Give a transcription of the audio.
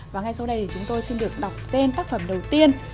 và ngay sau đây thì chúng tôi xin được đọc tên tác phẩm đầu tiên